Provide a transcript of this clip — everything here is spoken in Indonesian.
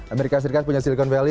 amerika serikat punya silicon valle